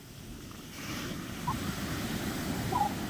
检察机关对涉境外输入型疫情防控案件要高度重视